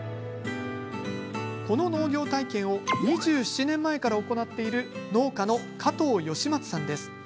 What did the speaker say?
この農業体験を２７年前から行っている農家の加藤義松さんです。